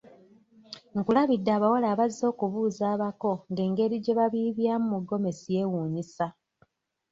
Nkulabidde abawala abazze okubuuza abako nga engeri gye babiibyamu mu ggomesi yeewuunyisa.